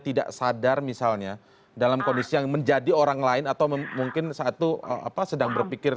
tidak sadar misalnya dalam kondisi yang menjadi orang lain atau mungkin satu apa sedang berpikir